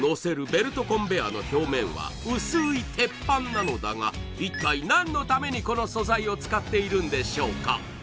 ベルトコンベアの表面は薄い鉄板なのだが一体何のためにこの素材を使っているんでしょうか？